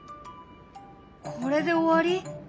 これで終わり？